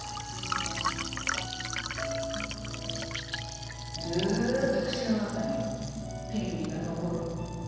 ずっと口の中にピリピリが残る。